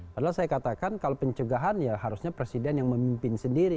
padahal saya katakan kalau pencegahan ya harusnya presiden yang memimpin sendiri